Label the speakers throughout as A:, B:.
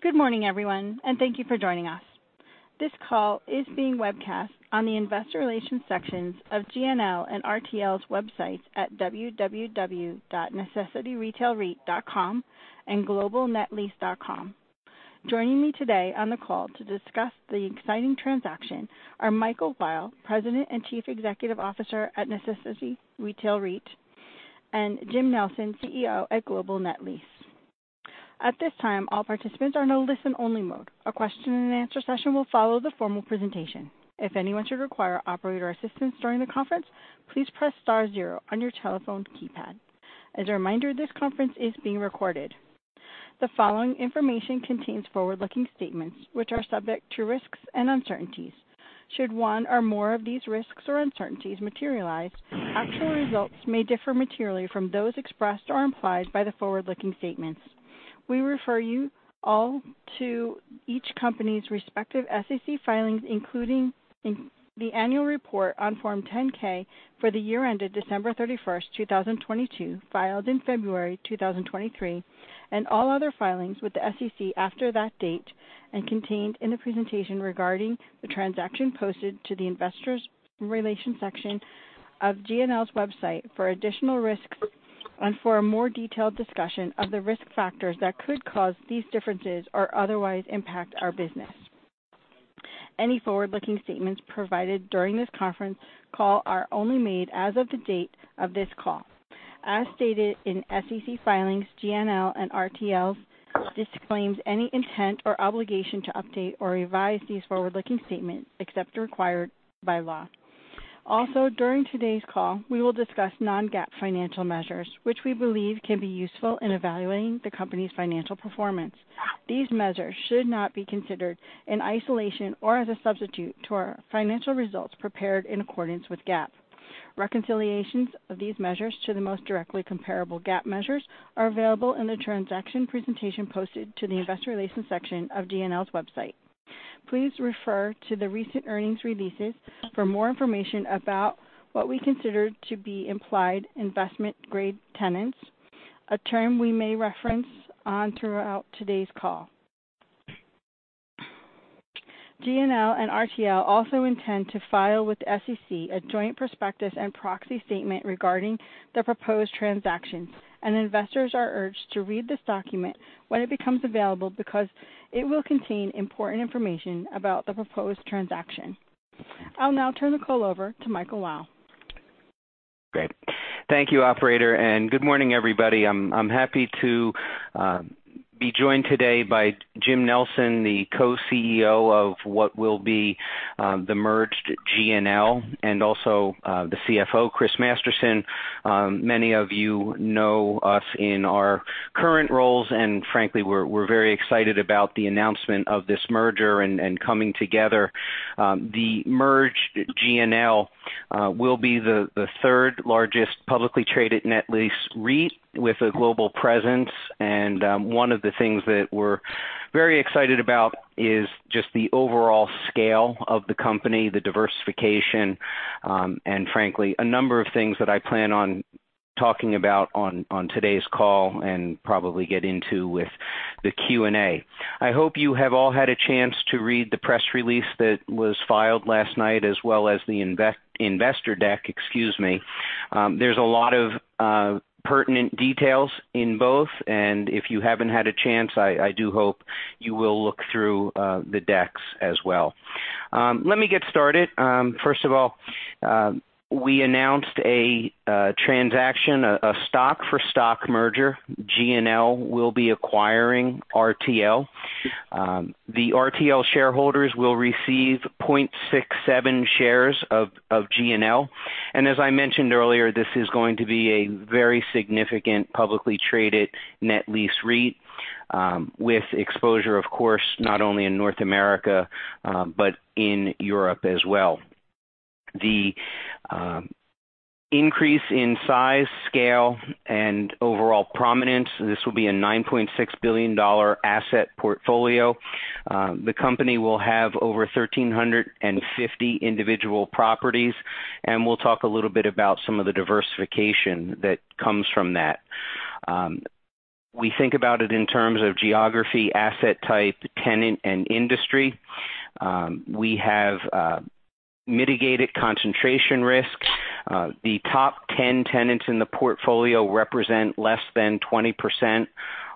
A: Good morning, everyone, and thank you for joining us. This call is being webcast on the investor relations sections of GNL and RTL's websites at www.necessityretailreit.com and globalnetlease.com. Joining me today on the call to discuss the exciting transaction are Michael Weil, President and Chief Executive Officer at Necessity Retail REIT, and Jim Nelson, CEO at Global Net Lease. At this time, all participants are in a listen-only mode. A question and answer session will follow the formal presentation. If anyone should require operator assistance during the conference, please press star zero on your telephone keypad. As a reminder, this conference is being recorded. The following information contains forward-looking statements which are subject to risks and uncertainties. Should one or more of these risks or uncertainties materialize, actual results may differ materially from those expressed or implied by the forward-looking statements. We refer you all to each company's respective SEC filings, including in the annual report on Form 10-K for the year ended December 31, 2022, filed in February 2023, and all other filings with the SEC after that date, and contained in the presentation regarding the transaction posted to the Investors Relations section of GNL's website for additional risks and for a more detailed discussion of the risk factors that could cause these differences or otherwise impact our business. Any forward-looking statements provided during this conference call are only made as of the date of this call. As stated in SEC filings, GNL and RTL disclaims any intent or obligation to update or revise these forward-looking statements except as required by law. During today's call, we will discuss non-GAAP financial measures, which we believe can be useful in evaluating the company's financial performance. These measures should not be considered in isolation or as a substitute to our financial results prepared in accordance with GAAP. Reconciliations of these measures to the most directly comparable GAAP measures are available in the transaction presentation posted to the investor relations section of GNL's website. Please refer to the recent earnings releases for more information about what we consider to be implied investment-grade tenants, a term we may reference on throughout today's call. GNL and RTL also intend to file with the SEC a joint prospectus and proxy statement regarding the proposed transaction. Investors are urged to read this document when it becomes available because it will contain important information about the proposed transaction. I'll now turn the call over to Michael Weil.
B: Great. Thank you, operator, and good morning, everybody. I'm happy to be joined today by Jim Nelson, the co-CEO of what will be the merged GNL and also the CFO, Chris Masterson. Many of you know us in our current roles, and frankly, we're very excited about the announcement of this merger and coming together. The merged GNL will be the third-largest publicly traded net lease REIT with a global presence. One of the things that we're very excited about is just the overall scale of the company, the diversification, and frankly, a number of things that I plan on talking about on today's call and probably get into with the Q&A. I hope you have all had a chance to read the press release that was filed last night, as well as the investor deck, excuse me. There's a lot of pertinent details in both, if you haven't had a chance, I do hope you will look through the decks as well. Let me get started. First of all, we announced a transaction, a stock for stock merger. GNL will be acquiring RTL. The RTL shareholders will receive 0.67 shares of GNL. As I mentioned earlier, this is going to be a very significant publicly traded net lease REIT, with exposure, of course, not only in North America, but in Europe as well. The increase in size, scale, and overall prominence, this will be a $9.6 billion asset portfolio. The company will have over 1,350 individual properties, we'll talk a little bit about some of the diversification that comes from that. We think about it in terms of geography, asset type, tenant, and industry. We have mitigated concentration risks. The top 10 tenants in the portfolio represent less than 20%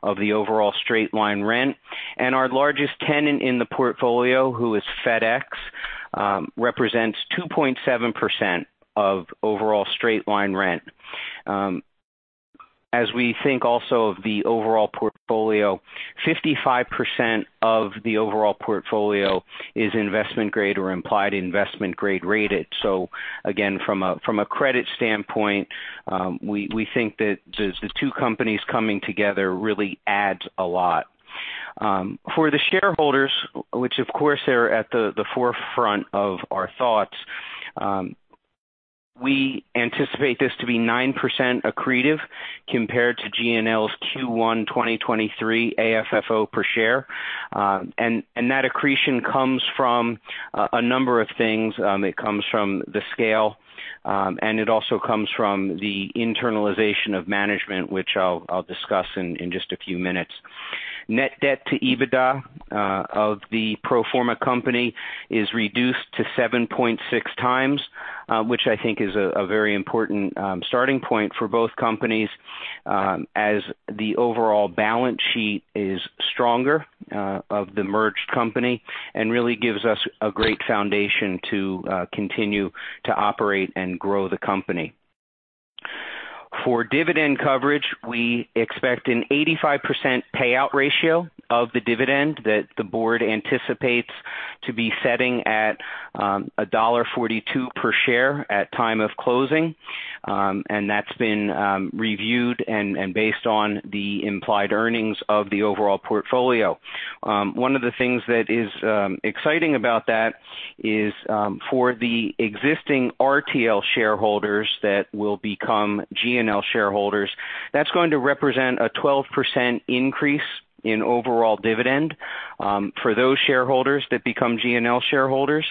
B: of the overall straight-line rent. Our largest tenant in the portfolio, who is FedEx, represents 2.7% of overall straight-line rent. As we think also of the overall portfolio, 55% of the overall portfolio is investment-grade or implied investment-grade rated. Again, from a credit standpoint, we think that the two companies coming together really adds a lot. For the shareholders, which of course are at the forefront of our thoughts, we anticipate this to be 9% accretive compared to GNL's Q1 2023 AFFO per share. That accretion comes from a number of things. It comes from the scale, and it also comes from the internalization of management, which I'll discuss in just a few minutes. Net debt to EBITDA of the pro forma company is reduced to 7.6x, which I think is a very important starting point for both companies, as the overall balance sheet is stronger of the merged company and really gives us a great foundation to continue to operate and grow the company. For dividend coverage, we expect an 85% payout ratio of the dividend that the board anticipates to be setting at $1.42 per share at time of closing. That's been reviewed and based on the implied earnings of the overall portfolio. One of the things that is exciting about that is for the existing RTL shareholders that will become GNL shareholders, that's going to represent a 12% increase in overall dividend for those shareholders that become GNL shareholders.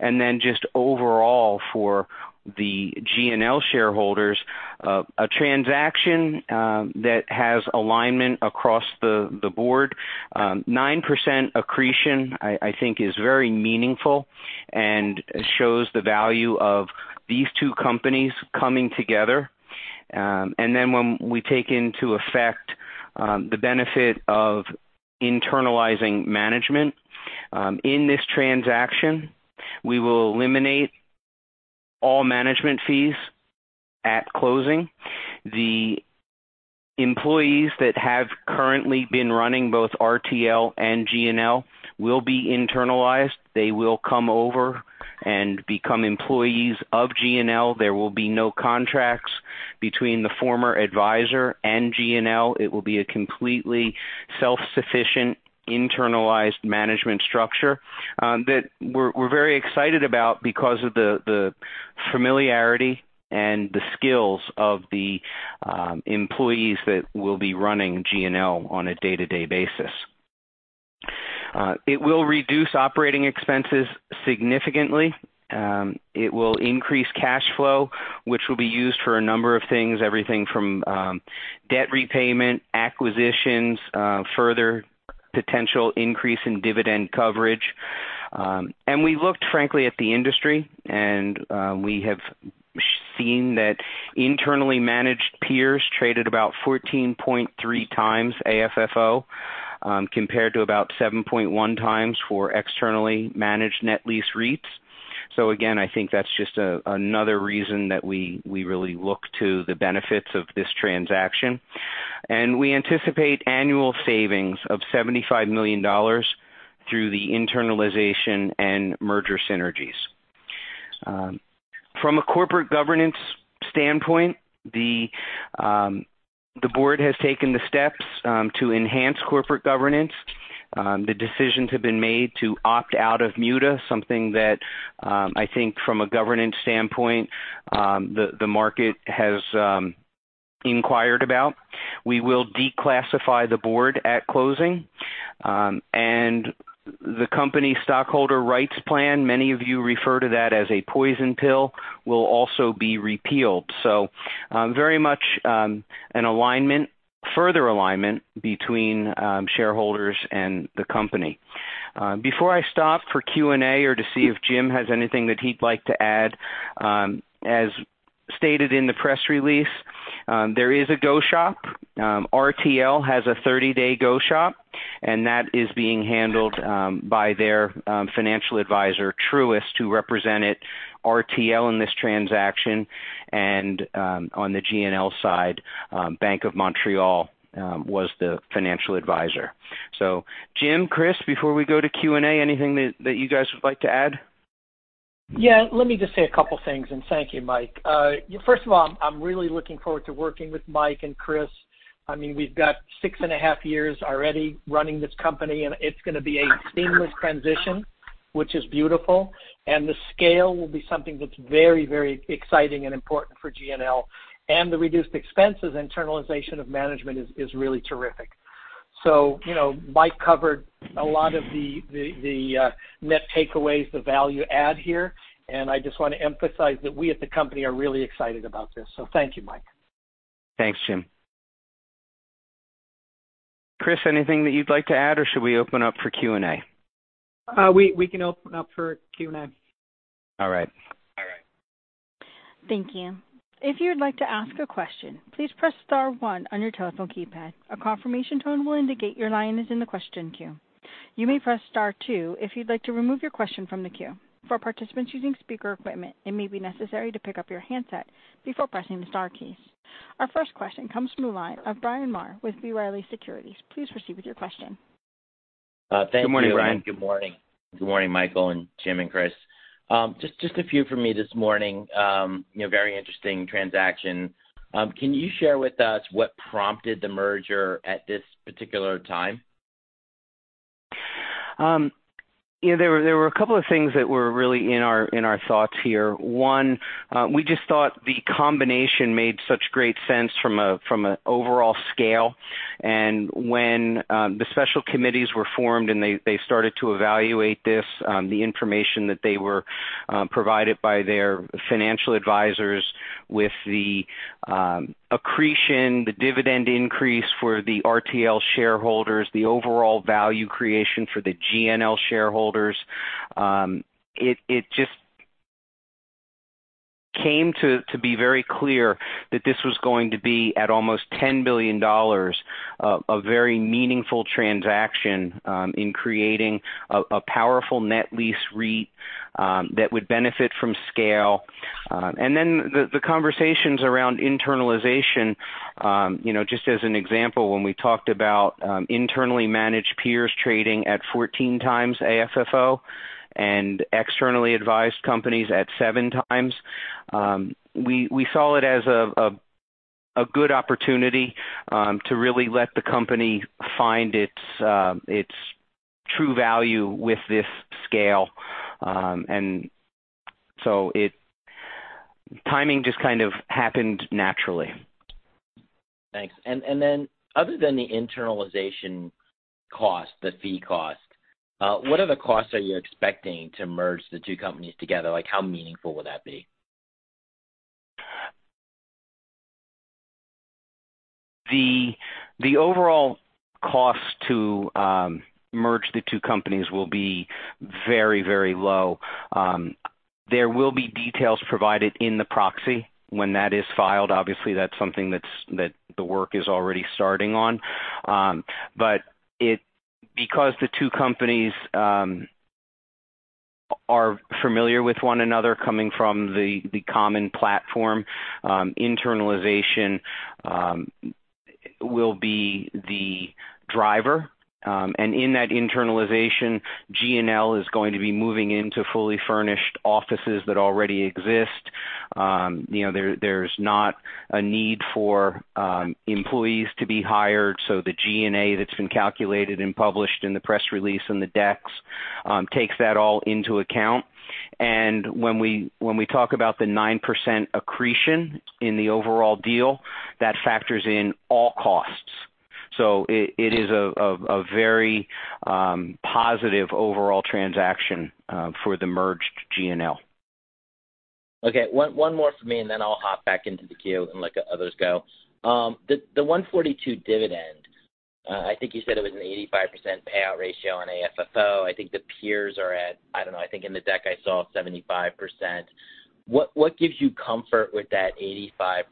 B: Just overall for the GNL shareholders, a transaction that has alignment across the board. 9% accretion I think is very meaningful and shows the value of these two companies coming together. When we take into effect the benefit of internalizing management in this transaction, we will eliminate all management fees at closing. The employees that have currently been running both RTL and GNL will be internalized. They will come over and become employees of GNL. There will be no contracts between the former advisor and GNL. It will be a completely self-sufficient internalized management structure that we're very excited about because of the familiarity and the skills of the employees that will be running GNL on a day-to-day basis. It will reduce operating expenses significantly. It will increase cash flow, which will be used for a number of things, everything from debt repayment, acquisitions, further potential increase in dividend coverage. We looked frankly at the industry, and we have seen that internally managed peers traded about 14.3x AFFO, compared to about 7.1x for externally managed net lease REITs. Again, I think that's just another reason that we really look to the benefits of this transaction. We anticipate annual savings of $75 million through the internalization and merger synergies. From a corporate governance standpoint, the board has taken the steps to enhance corporate governance. The decisions have been made to opt out of MUTA, something that, I think from a governance standpoint, the market has inquired about. We will declassify the board at closing. The company stockholder rights plan, many of you refer to that as a poison pill, will also be repealed. Very much an alignment, further alignment between shareholders and the company. Before I stop for Q&A or to see if Jim has anything that he'd like to add, as stated in the press release, there is a go shop. RTL has a 30-day go shop, and that is being handled by their financial advisor, Truist, who represented RTL in this transaction, and on the GNL side, Bank of Montreal was the financial advisor. Jim, Chris, before we go to Q&A, anything that you guys would like to add?
C: Yeah. Let me just say a couple things, and thank you, Mike. First of all, I'm really looking forward to working with Mike and Chris. I mean, we've got 6.5 years already running this company, and it's gonna be a seamless transition, which is beautiful. The scale will be something that's very, very exciting and important for GNL. The reduced expenses, internalization of management is really terrific. You know, Mike covered a lot of the net takeaways, the value add here, and I just wanna emphasize that we at the company are really excited about this. Thank you, Mike.
B: Thanks, Jim. Chris, anything that you'd like to add, or should we open up for Q&A?
D: We can open up for Q&A.
B: All right.
D: All right.
A: Thank you. If you would like to ask a question, please press star one on your telephone keypad. A confirmation tone will indicate your line is in the question queue. You may press star two if you'd like to remove your question from the queue. For participants using speaker equipment, it may be necessary to pick up your handset before pressing the star keys. Our first question comes from the line of Bryan Maher with B. Riley Securities. Please proceed with your question.
E: Thank you.
B: Good morning, Bryan.
E: Good morning. Good morning, Michael and Jim and Chris. Just a few from me this morning. You know, very interesting transaction. Can you share with us what prompted the merger at this particular time?
B: You know, there were a couple of things that were really in our thoughts here. One, we just thought the combination made such great sense from an overall scale. When the special committees were formed and they started to evaluate this, the information that they were provided by their financial advisors. With the accretion, the dividend increase for the RTL shareholders, the overall value creation for the GNL shareholders, it just came to be very clear that this was going to be, at almost $10 billion, a very meaningful transaction in creating a powerful net lease REIT that would benefit from scale. The conversations around internalization, you know, just as an example, when we talked about internally managed peers trading at 14x AFFO and externally advised companies at 7x, we saw it as a good opportunity to really let the company find its true value with this scale. Timing just kind of happened naturally.
E: Thanks. Other than the internalization cost, the fee cost, what other costs are you expecting to merge the two companies together? Like, how meaningful would that be?
B: The overall cost to merge the two companies will be very, very low. There will be details provided in the proxy when that is filed. Obviously, that the work is already starting on. Because the two companies are familiar with one another coming from the common platform, internalization will be the driver. In that internalization, GNL is going to be moving into fully furnished offices that already exist. You know, there's not a need for employees to be hired. So the G&A that's been calculated and published in the press release and the decks takes that all into account. When we talk about the 9% accretion in the overall deal, that factors in all costs. It is a very positive overall transaction for the merged GNL.
E: Okay, one more for me, then I'll hop back into the queue and let the others go. The $1.42 dividend, I think you said it was an 85% payout ratio on AFFO. I think the peers are at, I don't know, I think in the deck I saw 75%. What gives you comfort with that 85%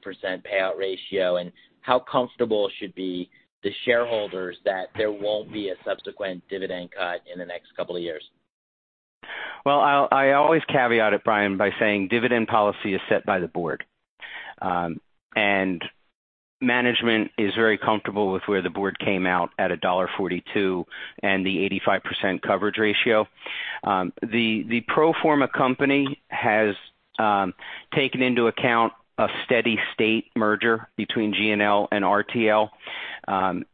E: payout ratio, and how comfortable should be the shareholders that there won't be a subsequent dividend cut in the next couple of years?
B: Well, I always caveat it, Bryan, by saying dividend policy is set by the board. Management is very comfortable with where the board came out at $1.42 and the 85% coverage ratio. The pro forma company has taken into account a steady state merger between GNL and RTL.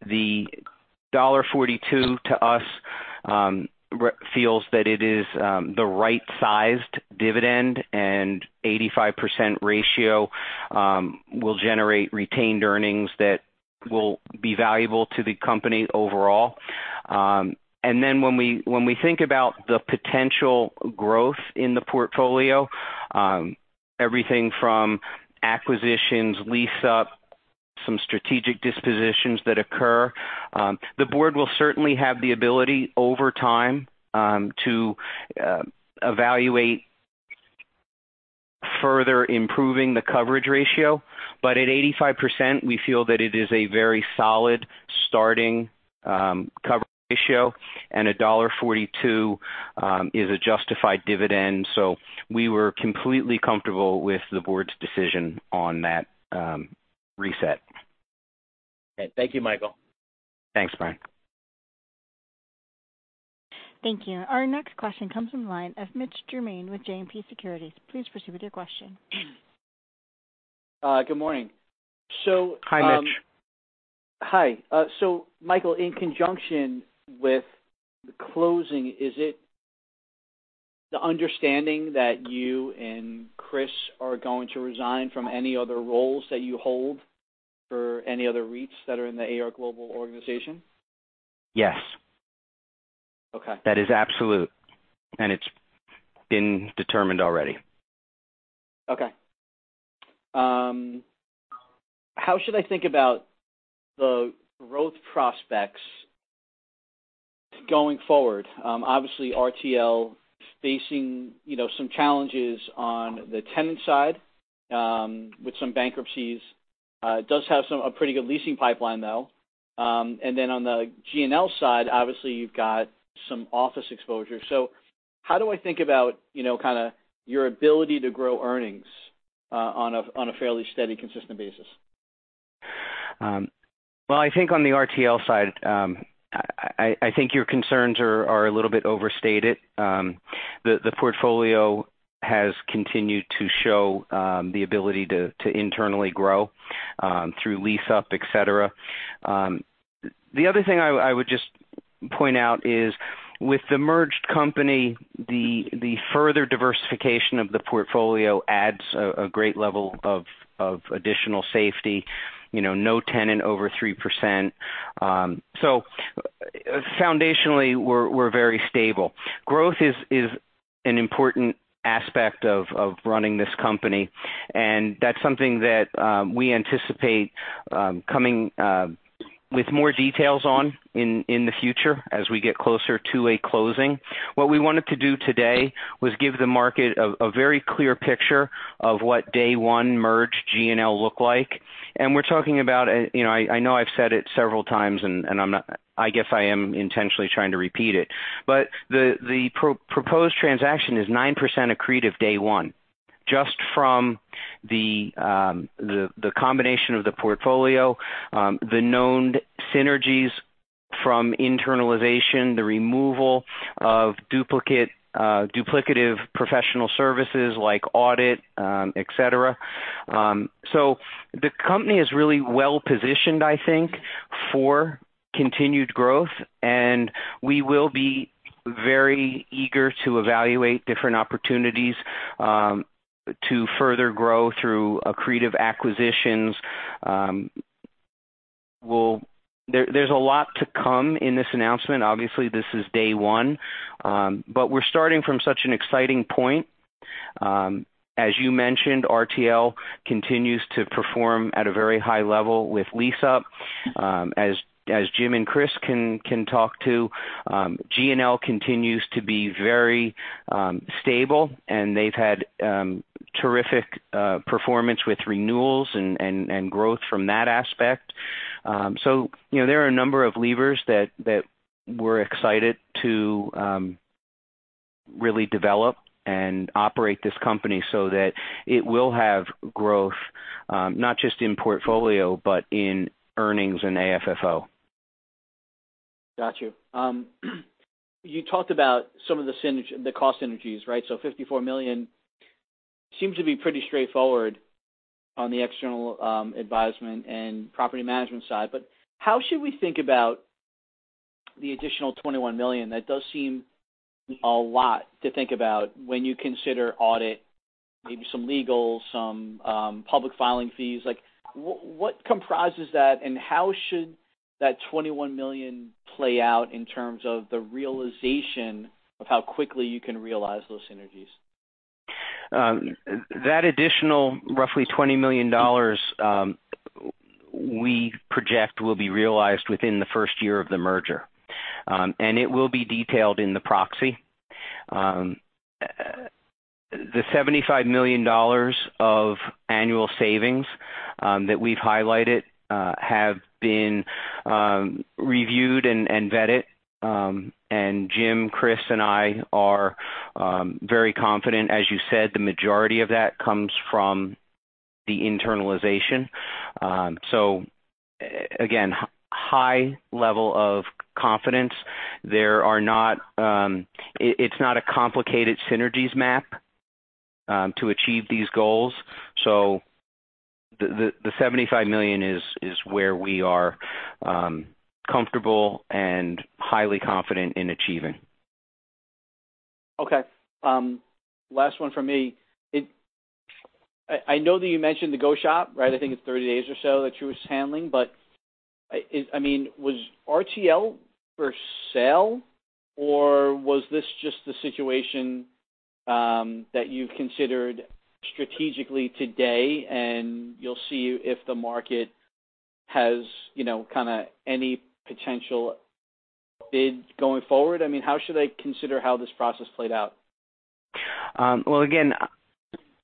B: The $1.42 to us feels that it is the right-sized dividend, and 85% ratio will generate retained earnings that will be valuable to the company overall. When we think about the potential growth in the portfolio, everything from acquisitions, lease-up, some strategic dispositions that occur, the board will certainly have the ability over time to evaluate further improving the coverage ratio. At 85%, we feel that it is a very solid starting coverage ratio, and a $1.42 is a justified dividend. We were completely comfortable with the board's decision on that reset.
E: Okay. Thank you, Michael.
B: Thanks, Bryan.
A: Thank you. Our next question comes from the line of Mitch Germain with JMP Securities. Please proceed with your question.
F: Good morning.
B: Hi, Mitch.
F: Hi. Michael, in conjunction with the closing, is it the understanding that you and Chris are going to resign from any other roles that you hold for any other REITs that are in the AR Global organization?
B: Yes.
F: Okay.
B: That is absolute, and it's been determined already.
F: Okay. How should I think about the growth prospects going forward? Obviously RTL is facing, you know, some challenges on the tenant side, with some bankruptcies. It does have a pretty good leasing pipeline though. On the GNL side, obviously you've got some office exposure. How do I think about, you know, kinda your ability to grow earnings, on a fairly steady, consistent basis?
B: Well, I think on the RTL side, I think your concerns are a little bit overstated. The portfolio has continued to show the ability to internally grow through lease up, et cetera. The other thing I would just point out is with the merged company, the further diversification of the portfolio adds a great level of additional safety. You know, no tenant over 3%. Foundationally, we're very stable. Growth is an important aspect of running this company, and that's something that we anticipate coming with more details on in the future as we get closer to a closing. What we wanted to do today was give the market a very clear picture of what day one merge GNL look like. We're talking about, you know, I know I've said it several times, and I guess I am intentionally trying to repeat it, but the proposed transaction is 9% accretive day one. Just from the combination of the portfolio, the known synergies from internalization, the removal of duplicative professional services like audit, et cetera. The company is really well-positioned, I think, for continued growth and we will be very eager to evaluate different opportunities to further grow through accretive acquisitions. There's a lot to come in this announcement. Obviously, this is day one. We're starting from such an exciting point. As you mentioned, RTL continues to perform at a very high level with lease-up. as Jim and Chris can talk to, GNL continues to be very stable, and they've had terrific performance with renewals and growth from that aspect. You know, there are a number of levers that we're excited to really develop and operate this company so that it will have growth, not just in portfolio, but in earnings and AFFO.
F: Got you. You talked about some of the cost synergies, right? $54 million seems to be pretty straightforward on the external advisement and property management side. How should we think about the additional $21 million? That does seem a lot to think about when you consider audit, maybe some legal, some public filing fees. What comprises that, and how should that $21 million play out in terms of the realization of how quickly you can realize those synergies?
B: That additional roughly $20 million, we project will be realized within the first year of the merger. It will be detailed in the proxy. The $75 million of annual savings that we've highlighted have been reviewed and vetted. Jim, Chris and I are very confident. As you said, the majority of that comes from the internalization. Again, high level of confidence. There are not. It's not a complicated synergies map to achieve these goals. The $75 million is where we are comfortable and highly confident in achieving.
F: Okay. last one for me. I know that you mentioned the go-shop, right? I think it's 30 days or so that Truist is handling. I mean, was RTL for sale or was this just the situation that you've considered strategically today and you'll see if the market has, you know, kinda any potential bids going forward? I mean, how should I consider how this process played out?
B: Well, again,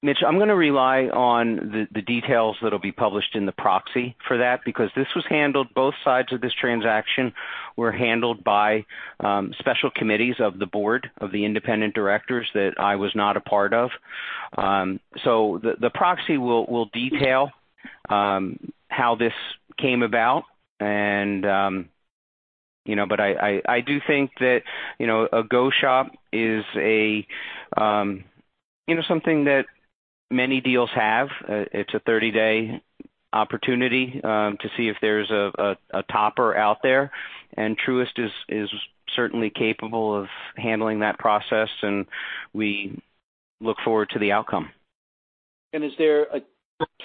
B: Mitch, I'm gonna rely on the details that'll be published in the proxy for that because this was handled, both sides of this transaction were handled by special committees of the board of the independent directors that I was not a part of. The proxy will detail how this came about. You know, I do think that, you know, a go shop is a, you know, something that many deals have. It's a 30-day opportunity to see if there's a topper out there. Truist is certainly capable of handling that process, and we look forward to the outcome.
F: Is there a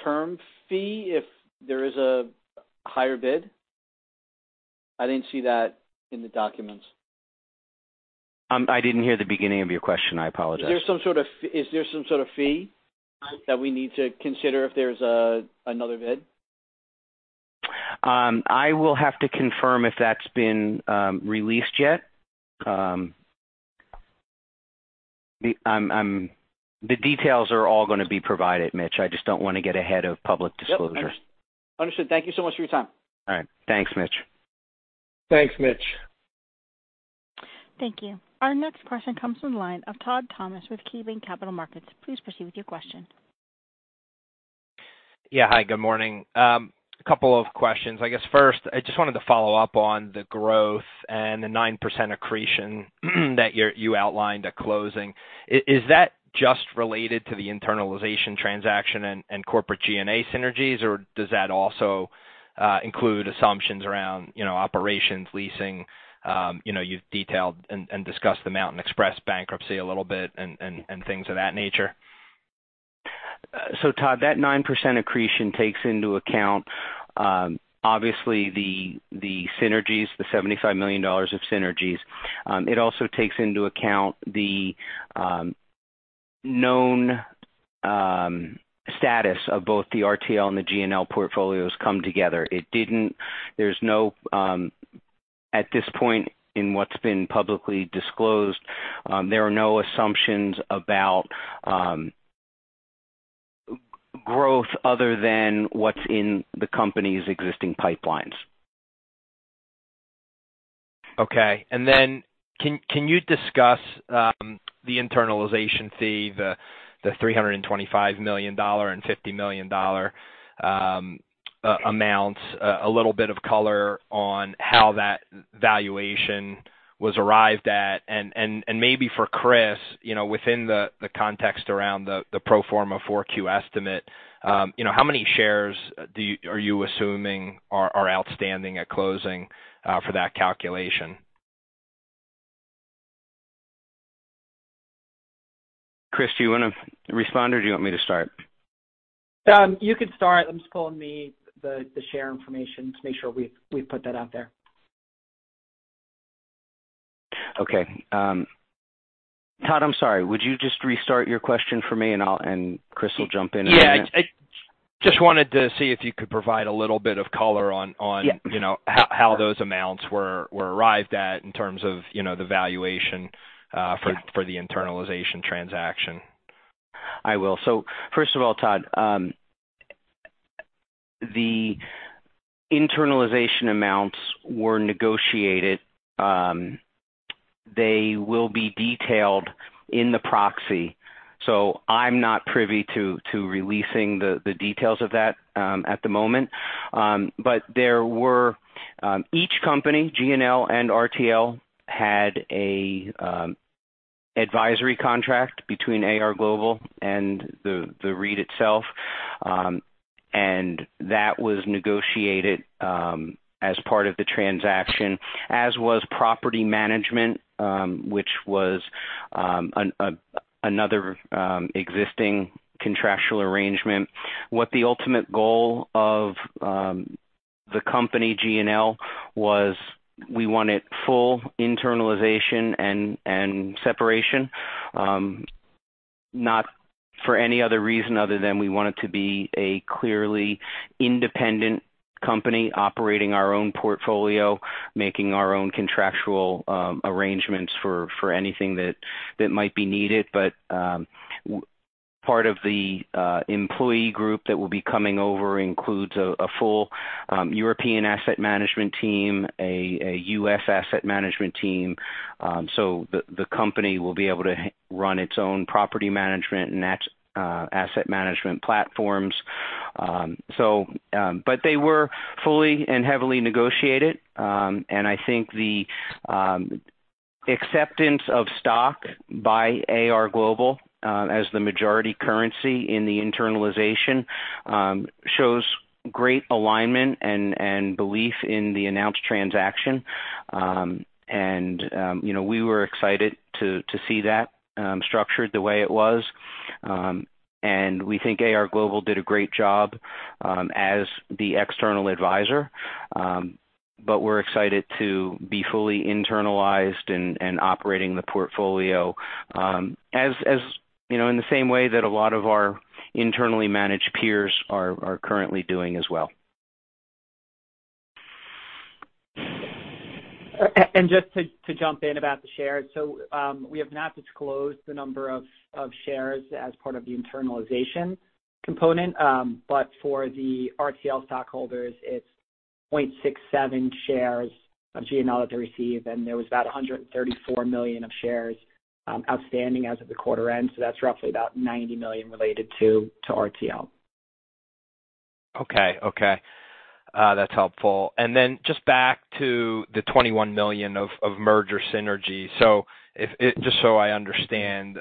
F: term fee if there is a higher bid? I didn't see that in the documents.
B: I didn't hear the beginning of your question. I apologize.
F: Is there some sort of fee that we need to consider if there's another bid?
B: I will have to confirm if that's been released yet. The details are all gonna be provided, Mitch. I just don't wanna get ahead of public disclosure.
F: Yep. Understood. Thank you so much for your time.
B: All right. Thanks, Mitch.
C: Thanks, Mitch.
A: Thank you. Our next question comes from the line of Todd Thomas with KeyBanc Capital Markets. Please proceed with your question.
G: Hi, good morning. A couple of questions. I guess first, I just wanted to follow up on the growth and the 9% accretion that you outlined at closing. Is that just related to the internalization transaction and corporate G&A synergies, or does that also include assumptions around, you know, operations, leasing? You know, you've detailed and discussed the Mountain Express bankruptcy a little bit and things of that nature.
B: Todd, that 9% accretion takes into account, obviously the synergies, the $75 million of synergies. It also takes into account the known status of both the RTL and the GNL portfolios come together. There's no, at this point in what's been publicly disclosed, there are no assumptions about growth other than what's in the company's existing pipelines.
G: Okay. Can you discuss the internalization fee, the $325 million and $50 million amounts, a little bit of color on how that valuation was arrived at? Maybe for Chris, you know, within the context around the pro forma 4Q estimate, you know, how many shares are you assuming are outstanding at closing for that calculation?
B: Chris, do you wanna respond or do you want me to start?
D: You could start. Let me pull me the share information to make sure we put that out there.
B: Okay. Todd, I'm sorry. Would you just restart your question for me and Chris will jump in a minute?
G: Yeah. I just wanted to see if you could provide a little bit of color on.
B: Yeah.
G: You know, how those amounts were arrived at in terms of, you know, the valuation.
B: Yeah.
G: for the internalization transaction.
B: I will. First of all, Todd, the internalization amounts were negotiated. They will be detailed in the proxy. I'm not privy to releasing the details of that at the moment. There were each company, GNL and RTL, had an advisory contract between AR Global and the REIT itself, and that was negotiated as part of the transaction, as was property management, which was another existing contractual arrangement. What the ultimate goal of the company GNL was we wanted full internalization and separation, not for any other reason other than we want it to be a clearly independent company operating our own portfolio, making our own contractual arrangements for anything that might be needed. Part of the employee group that will be coming over includes a full European asset management team, a U.S. asset management team. The company will be able to run its own property management and asset management platforms. They were fully and heavily negotiated. I think the acceptance of stock by AR Global as the majority currency in the internalization shows great alignment and belief in the announced transaction. You know, we were excited to see that structured the way it was. We think AR Global did a great job as the external advisor. We're excited to be fully internalized and operating the portfolio, you know, in the same way that a lot of our internally managed peers are currently doing as well.
D: Just to jump in about the shares. We have not disclosed the number of shares as part of the internalization component. For the RTL stockholders, it's 0.67 shares of GNL that they receive, and there was about $134 million of shares outstanding as of the quarter end. That's roughly about $90 million related to RTL.
G: Okay. Okay. That's helpful. Then just back to the $21 million of merger synergy. Just so I understand,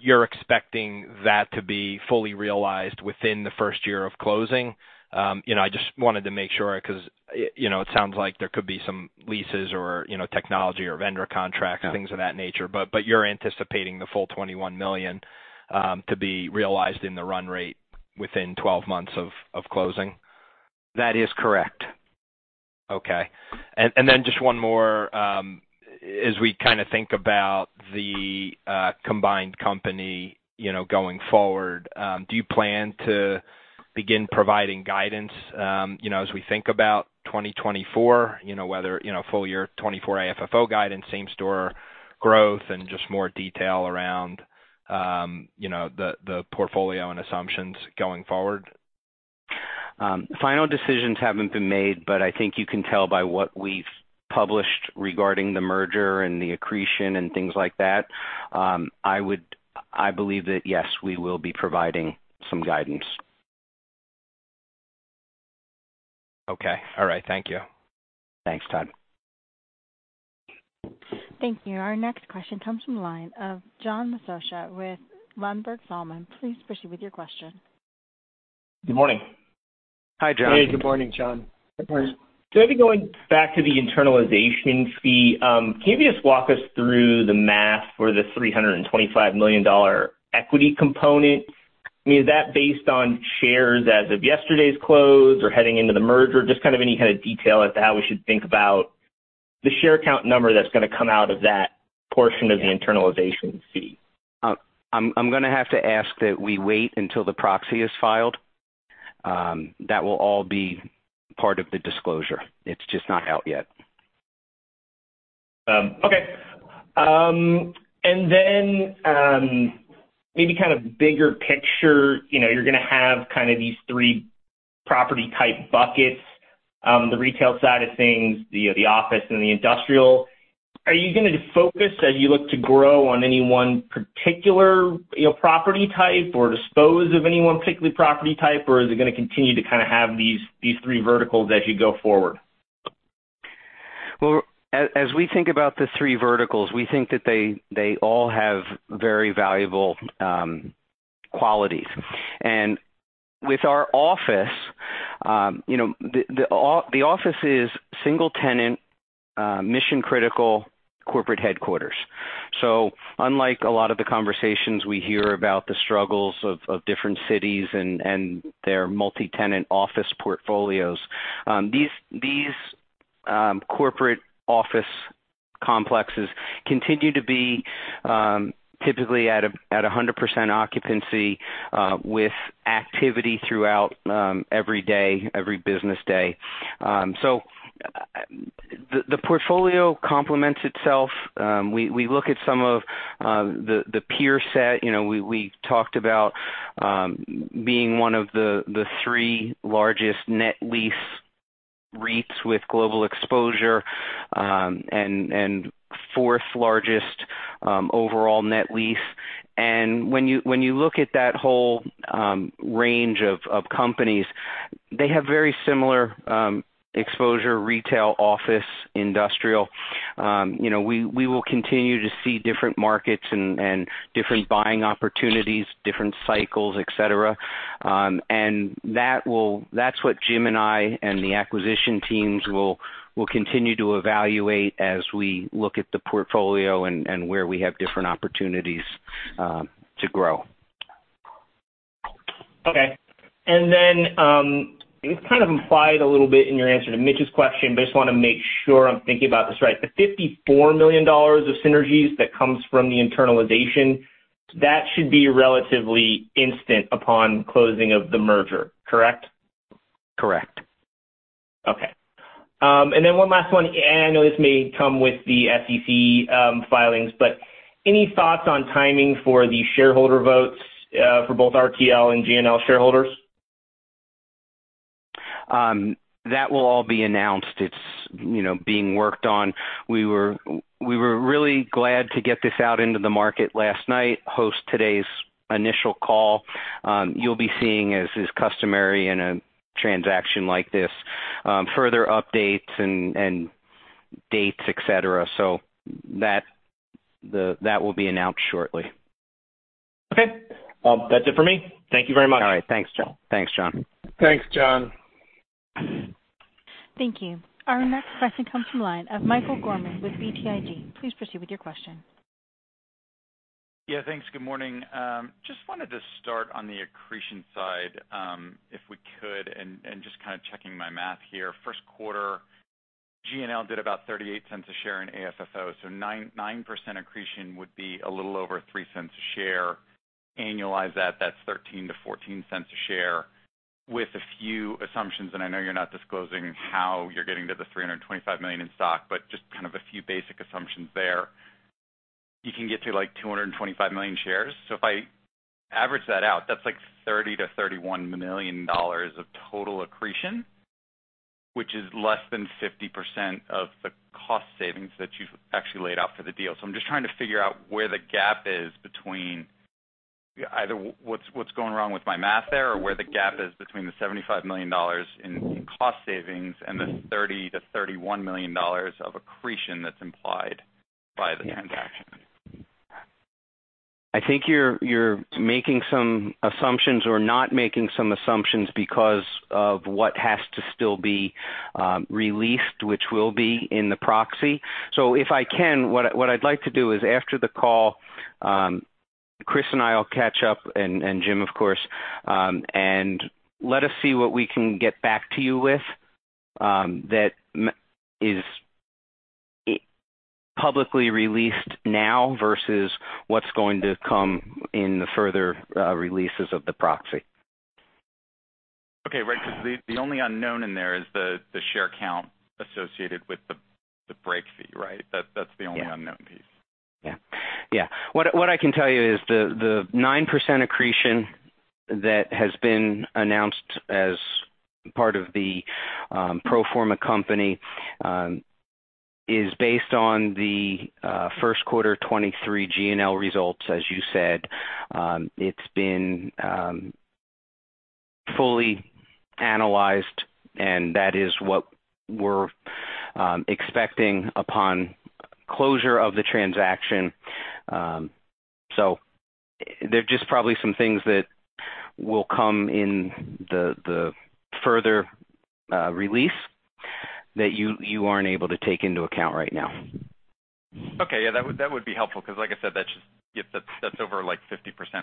G: you're expecting that to be fully realized within the first year of closing? You know, I just wanted to make sure 'cause, you know, it sounds like there could be some leases or, you know, technology or vendor contracts-.
B: Yeah.
G: things of that nature. you're anticipating the full $21 million to be realized in the run rate within 12 months of closing?
B: That is correct.
G: Okay. Then just one more. As we kind of think about the combined company, you know, going forward, do you plan to begin providing guidance, you know, as we think about 2024, you know, whether, you know, full year 24 AFFO guidance, same-store growth, and just more detail around, you know, the portfolio and assumptions going forward?
B: Final decisions haven't been made, but I think you can tell by what we've published regarding the merger and the accretion and things like that. I believe that yes, we will be providing some guidance.
G: Okay. All right. Thank you.
B: Thanks, Todd.
A: Thank you. Our next question comes from the line of John Massocca with Ladenburg Thalmann. Please proceed with your question.
H: Good morning.
B: Hi, John.
C: Good morning, John.
H: Maybe going back to the internalization fee, can you just walk us through the math for the $325 million equity component? I mean, is that based on shares as of yesterday's close or heading into the merger? Just kind of any kind of detail as to how we should think about the share count number that's gonna come out of that portion of the internalization fee.
B: I'm gonna have to ask that we wait until the proxy is filed. That will all be part of the disclosure. It's just not out yet.
H: Okay. Maybe kind of bigger picture, you know, you're gonna have kind of these three property type buckets, the retail side of things, you know, the office and the industrial. Are you gonna focus as you look to grow on any one particular, you know, property type or dispose of any one particular property type, or is it gonna continue to kind of have these three verticals as you go forward?
B: Well, as we think about the three verticals, we think that they all have very valuable qualities. With our office, you know, the office is single tenant, mission-critical corporate headquarters. Unlike a lot of the conversations we hear about the struggles of different cities and their multi-tenant office portfolios, these corporate office complexes continue to be typically at a 100% occupancy, with activity throughout every day, every business day. The portfolio complements itself. We look at some of the peer set. You know, we talked about being one of the three largest net lease REITs with global exposure, and 4th largest overall net lease. When you look at that whole range of companies, they have very similar exposure, retail, office, industrial. You know, we will continue to see different markets and different buying opportunities, different cycles, et cetera. That's what Jim and I and the acquisition teams will continue to evaluate as we look at the portfolio and where we have different opportunities to grow.
H: Okay. It was kind of implied a little bit in your answer to Mitch's question, but I just wanna make sure I'm thinking about this right. The $54 million of synergies that comes from the internalization, that should be relatively instant upon closing of the merger, correct?
B: Correct.
H: Okay. One last one, and I know this may come with the SEC, filings, but any thoughts on timing for the shareholder votes, for both RTL and GNL shareholders?
B: That will all be announced. It's, you know, being worked on. We were really glad to get this out into the market last night, host today's initial call. You'll be seeing, as is customary in a transaction like this, further updates and dates, et cetera. That will be announced shortly.
H: Okay. That's it for me. Thank you very much.
B: All right. Thanks, John. Thanks, John.
C: Thanks, John.
A: Thank you. Our next question comes from line of Michael Gorman with BTIG. Please proceed with your question.
I: Yeah, thanks. Good morning. Just wanted to start on the accretion side, if we could, and just kind of checking my math here. First quarter, GNL did about $0.38 a share in AFFO, so 9% accretion would be a little over $0.03 a share. Annualize that's $0.13-$0.14 a share. With a few assumptions, and I know you're not disclosing how you're getting to the $325 million in stock, but just kind of a few basic assumptions there, you can get to, like, $225 million shares. If I average that out, that's like $30 million-$31 million of total accretion, which is less than 50% of the cost savings that you've actually laid out for the deal. I'm just trying to figure out where the gap is between... either what's going wrong with my math there, or where the gap is between the $75 million in cost savings and the $30 million-$31 million of accretion that's implied by the transaction.
B: I think you're making some assumptions or not making some assumptions because of what has to still be released, which will be in the proxy. If I can, what I'd like to do is after the call, Chris and I will catch up, and Jim of course, and let us see what we can get back to you with that is publicly released now versus what's going to come in the further releases of the proxy.
I: Okay. Right. The only unknown in there is the share count associated with the break fee, right? That's the only.
B: Yeah.
I: unknown piece.
B: What I can tell you is the 9% accretion that has been announced as part of the pro forma company is based on the first quarter 2023 GNL results, as you said. It's been fully analyzed, and that is what we're expecting upon closure of the transaction. There are just probably some things that will come in the further release that you aren't able to take into account right now.
I: Okay. Yeah, that would, that would be helpful because I said, that's over 50%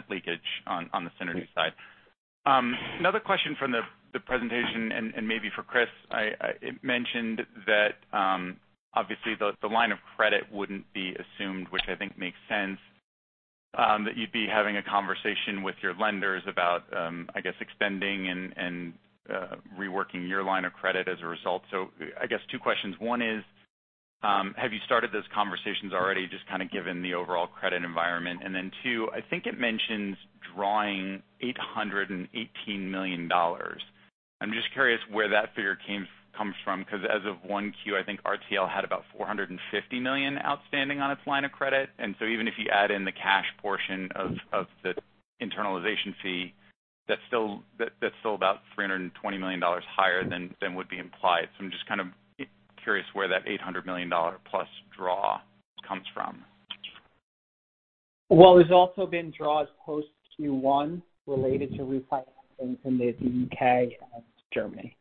I: leakage on the synergy side. Another question from the presentation and maybe for Chris. It mentioned that obviously the line of credit wouldn't be assumed, which I think makes sense, that you'd be having a conversation with your lenders about, I guess, extending and reworking your line of credit as a result. I guess two questions. One is, have you started those conversations already just kind of given the overall credit environment? Two, I think it mentions drawing $818 million. I'm just curious where that figure comes from, because as of 1Q, I think RTL had about $450 million outstanding on its line of credit. Even if you add in the cash portion of the internalization fee, that's still about $320 million higher than would be implied. I'm just kind of curious where that $800 million plus draw comes from.
D: Well, there's also been draws post Q1 related to refinancing in the U.K. and Germany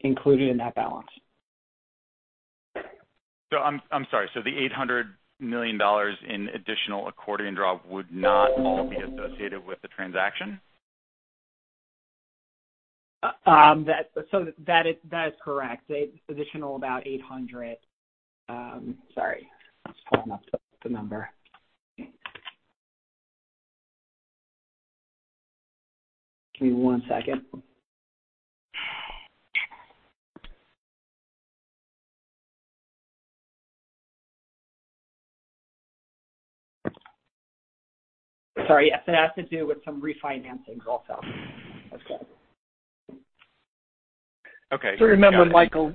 D: included in that balance.
I: I'm sorry. The $800 million in additional accordion draw would not all be associated with the transaction?
D: That is correct. Additional about 800. Sorry, I'm just pulling up the number. Give me one second. Sorry. It has to do with some refinancings also as well.
I: Okay.
B: Remember, Michael,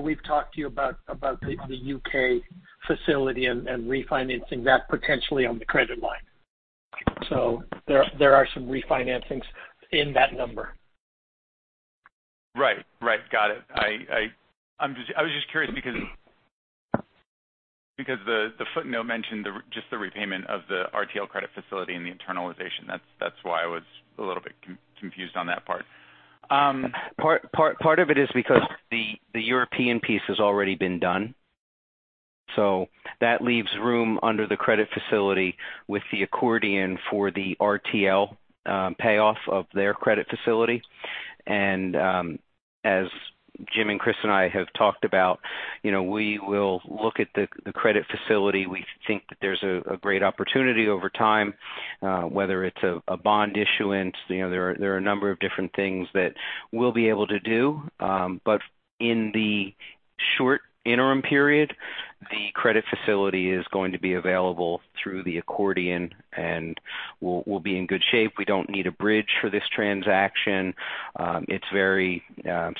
B: we've talked to you about the U.K. Facility and refinancing that potentially on the credit line. There are some refinancings in that number.
I: Right. Right. Got it. I was just curious because the footnote mentioned just the repayment of the RTL credit facility and the internalization. That's why I was a little bit confused on that part.
B: Part of it is because the European piece has already been done, so that leaves room under the credit facility with the accordion for the RTL payoff of their credit facility. As Jim and Chris and I have talked about, you know, we will look at the credit facility. We think that there's a great opportunity over time, whether it's a bond issuance. You know, there are a number of different things that we'll be able to do. In the short interim period, the credit facility is going to be available through the accordion, and we'll be in good shape. We don't need a bridge for this transaction. It's very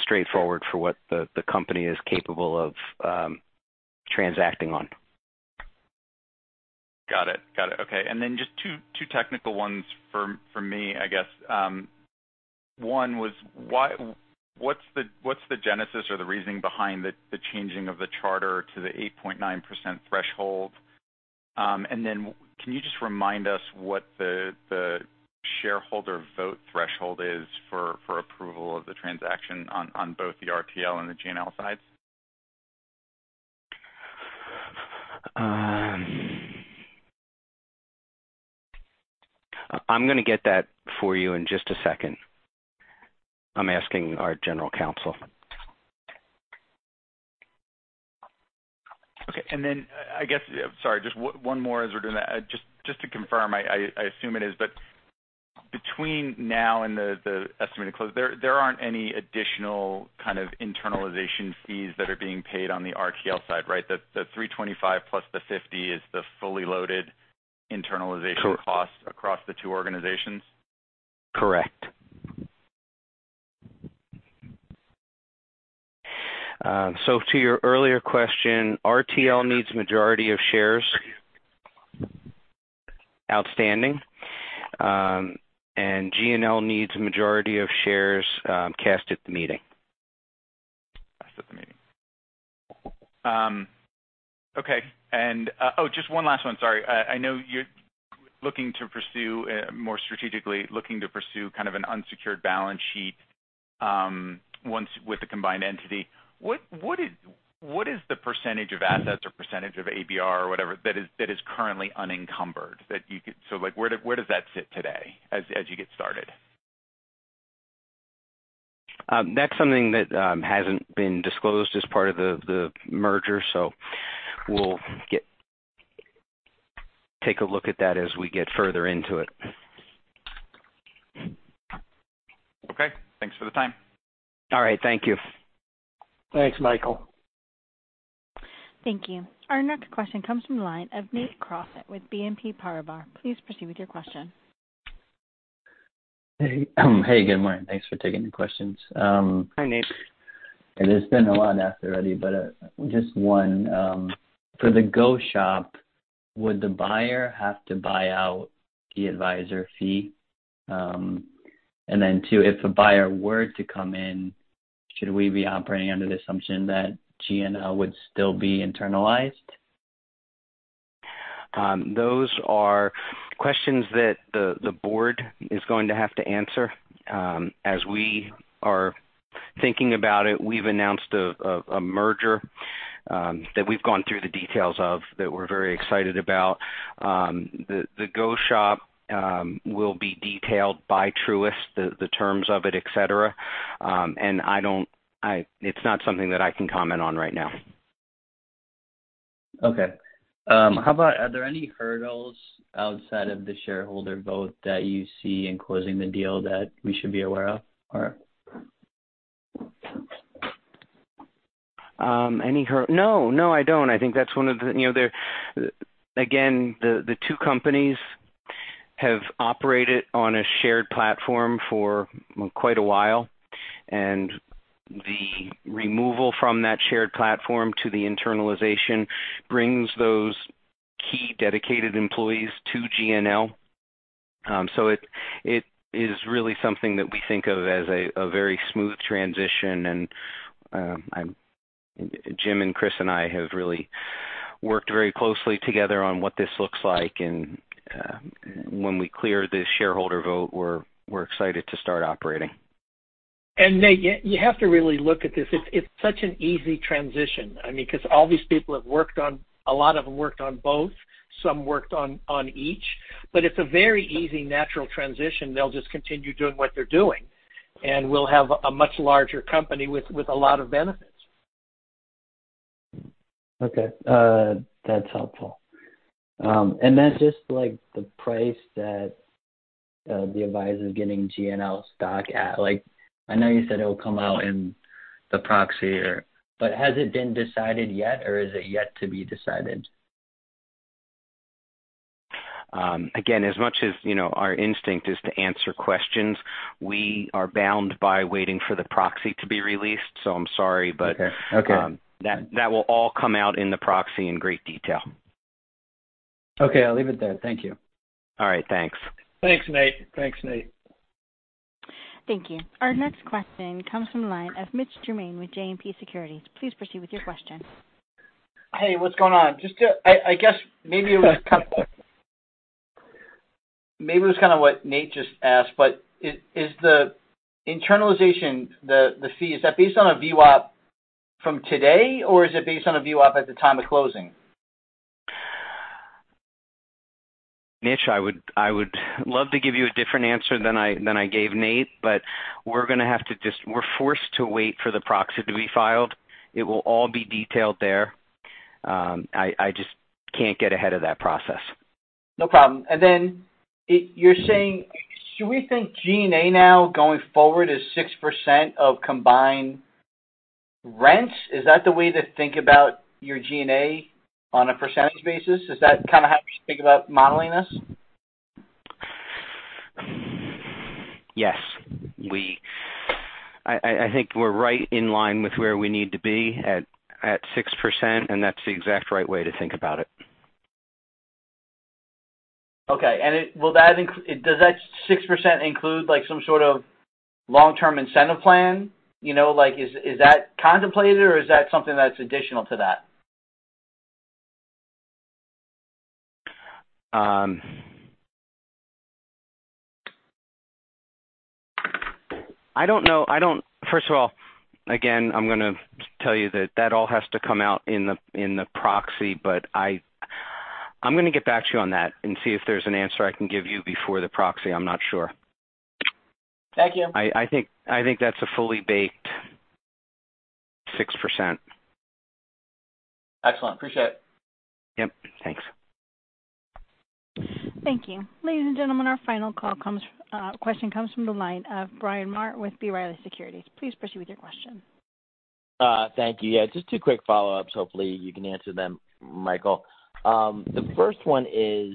B: straightforward for what the company is capable of transacting on.
I: Got it. Okay. Then just two technical ones from me, I guess. One was what's the genesis or the reasoning behind the changing of the charter to the 8.9% threshold? Then can you just remind us what the shareholder vote threshold is for approval of the transaction on both the RTL and the GNL sides?
B: I'm gonna get that for you in just a second. I'm asking our general counsel.
I: Okay. Sorry, just one more as we're doing that. Just to confirm, I assume it is, but between now and the estimated close, there aren't any additional kind of internalization fees that are being paid on the RTL side, right? The $325+ the $50 is the fully loaded internalization costs.
B: Correct.
I: -across the two organizations.
B: Correct. To your earlier question, RTL needs majority of shares outstanding, and GNL needs a majority of shares, cast at the meeting.
I: Cast at the meeting. Okay. Oh, just one last one. Sorry. I know you're looking to pursue, more strategically, looking to pursue kind of an unsecured balance sheet, once with the combined entity. What is the percentage of assets or percentage of ABR or whatever that is, that is currently unencumbered? So, like, where does that sit today as you get started?
B: That's something that hasn't been disclosed as part of the merger, so we'll take a look at that as we get further into it.
I: Okay. Thanks for the time.
B: All right. Thank you.
D: Thanks, Michael.
A: Thank you. Our next question comes from the line of Nate Crossett with BNP Paribas. Please proceed with your question.
J: Hey, good morning. Thanks for taking the questions.
B: Hi, Nate.
J: It has been a lot asked already, just one. For the go-shop, would the buyer have to buy out the advisor fee? Two, if a buyer were to come in, should we be operating under the assumption that GNL would still be internalized?
B: Those are questions that the board is going to have to answer. As we are thinking about it, we've announced a merger that we've gone through the details of that we're very excited about. The go shop will be detailed by Truist, the terms of it, et cetera. I don't. It's not something that I can comment on right now.
J: Okay. How about are there any hurdles outside of the shareholder vote that you see in closing the deal that we should be aware of or?
B: No, no, I don't. You know, again, the two companies have operated on a shared platform for quite a while, and the removal from that shared platform to the internalization brings those key dedicated employees to GNL. So it is really something that we think of as a very smooth transition. Jim and Chris and I have really worked very closely together on what this looks like. When we clear the shareholder vote, we're excited to start operating.
C: Nate, you have to really look at this. It's such an easy transition. I mean, 'cause all these people have worked on A lot of them worked on both, some worked on each. It's a very easy natural transition. They'll just continue doing what they're doing, and we'll have a much larger company with a lot of benefits.
J: Okay. That's helpful. Just, like, the price that the advisor is getting GNL stock at. Like, I know you said it will come out in the proxy or... Has it been decided yet, or is it yet to be decided?
B: Again, as much as, you know, our instinct is to answer questions, we are bound by waiting for the proxy to be released. I'm sorry, but.
J: Okay. Okay.
B: That will all come out in the proxy in great detail.
J: Okay, I'll leave it there. Thank you.
B: All right. Thanks.
C: Thanks, Nate.
A: Thank you. Our next question comes from the line of Mitch Germain with JMP Securities. Please proceed with your question.
F: Hey, what's going on? I guess maybe it was kind of what Nate just asked, but is the internalization, the fee, is that based on a VWAP from today, or is it based on a VWAP at the time of closing?
B: Mitch, I would love to give you a different answer than I gave Nate. We're forced to wait for the proxy to be filed. It will all be detailed there. I just can't get ahead of that process.
F: No problem. Should we think G&A now going forward is 6% of combined rents? Is that the way to think about your G&A on a percentage basis? Is that kind of how you think about modeling this?
B: Yes. I think we're right in line with where we need to be at 6%, and that's the exact right way to think about it.
F: Okay. Does that 6% include, like, some sort of long-term incentive plan? You know, like, is that contemplated or is that something that's additional to that?
B: I don't know. First of all, again, I'm gonna tell you that that all has to come out in the proxy. I'm gonna get back to you on that and see if there's an answer I can give you before the proxy. I'm not sure.
F: Thank you.
B: I think that's a fully baked 6%.
F: Excellent. Appreciate it.
B: Yep. Thanks.
A: Thank you. Ladies and gentlemen, our final call question comes from the line of Bryan Maher with B. Riley Securities. Please proceed with your question.
E: Thank you. Yeah, just two quick follow-ups. Hopefully, you can answer them, Michael. The first one is,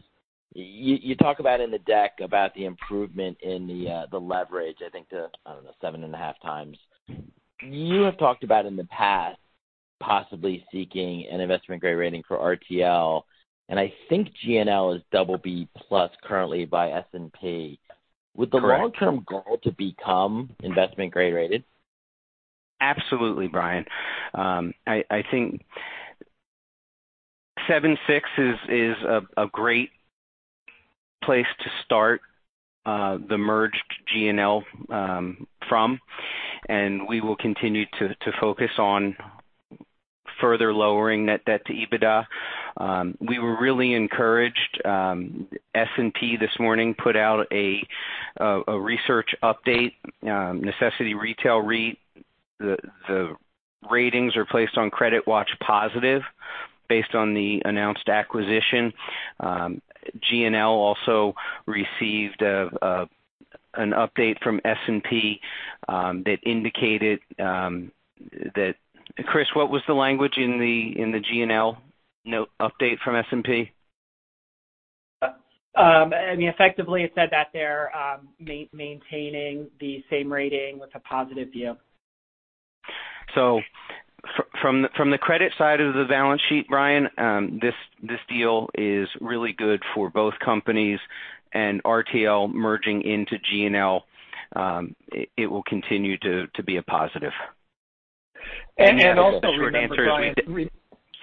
E: you talk about in the deck about the improvement in the leverage, 7.5x. You have talked about in the past possibly seeking an investment-grade rating for RTL, and I think GNL is BB+ currently by S&P.
B: Correct.
K: With the long-term goal to become investment grade rated.
B: Absolutely, Bryan. I think 7.6 is a great place to start the merged GNL, and we will continue to focus on further lowering net debt to EBITDA. We were really encouraged, S&P this morning put out a research update, The Necessity Retail REIT. The ratings are placed on CreditWatch positive based on the announced acquisition. GNL also received an update from S&P that indicated, Chris, what was the language in the GNL note update from S&P?
D: I mean, effectively, it said that they're maintaining the same rating with a positive view.
B: From the credit side of the balance sheet, Bryan, this deal is really good for both companies and RTL merging into GNL, it will continue to be a positive.
C: also remember, Bryan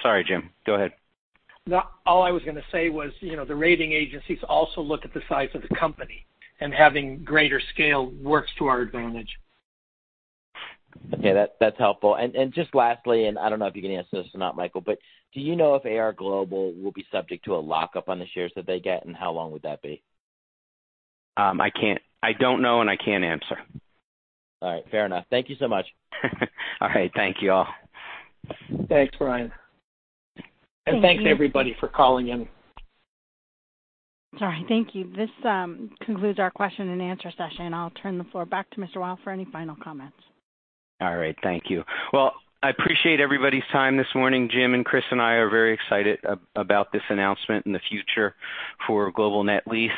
B: Sorry, Jim. Go ahead.
C: All I was gonna say was, you know, the rating agencies also look at the size of the company, and having greater scale works to our advantage.
F: Okay, that's helpful. Just lastly, I don't know if you can answer this or not, Michael, but do you know if AR Global will be subject to a lock-up on the shares that they get, and how long would that be?
B: I can't. I don't know, and I can't answer.
K: All right. Fair enough. Thank you so much.
B: All right. Thank you all.
C: Thanks, Bryan.
A: Thank you.
C: Thanks, everybody for calling in.
A: Sorry. Thank you. This concludes our question and answer session. I'll turn the floor back to Michael Weil for any final comments.
B: All right. Thank you. Well, I appreciate everybody's time this morning. Jim and Chris and I are very excited about this announcement and the future for Global Net Lease.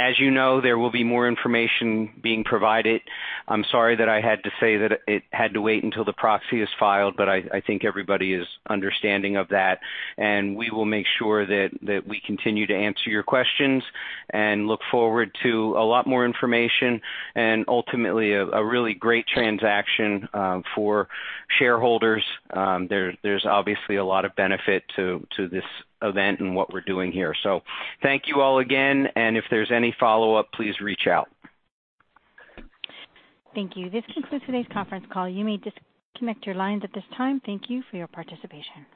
B: As you know, there will be more information being provided. I'm sorry that I had to say that it had to wait until the proxy is filed, but I think everybody is understanding of that. We will make sure that we continue to answer your questions and look forward to a lot more information and ultimately a really great transaction for shareholders. There's obviously a lot of benefit to this event and what we're doing here. Thank you all again, and if there's any follow-up, please reach out.
A: Thank you. This concludes today's conference call. You may disconnect your lines at this time. Thank you for your participation.